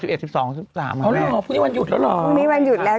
พวกมันอยุดยาวเหรอ